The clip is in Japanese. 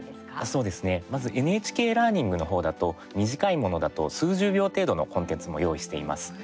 そうですね、まず「ＮＨＫラーニング」の方だと短いものだと数十秒程度のコンテンツも用意しています。